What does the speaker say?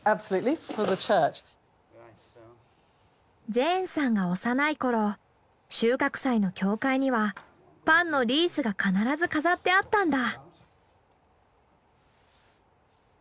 ジェーンさんが幼い頃収穫祭の教会にはパンのリースが必ず飾ってあったんだ。